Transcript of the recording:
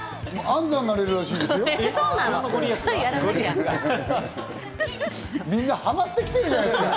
安産になれるらしいですよ。